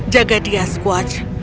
jaga dia squatch